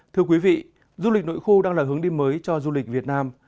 thưa quý vị du lịch nội khu đang là hướng đi mới cho du lịch việt nam